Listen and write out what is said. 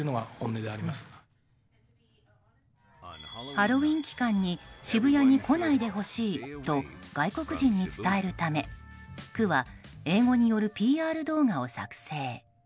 ハロウィーン期間に渋谷に来ないでほしいと外国人に伝えるため区は英語によるＰＲ動画を作成。